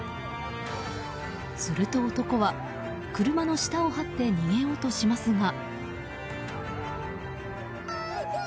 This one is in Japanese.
すると男は、車の下をはって逃げようとしますが。